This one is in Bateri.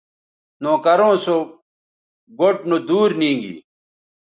نوکروں سو گوٹھ نودور نیگی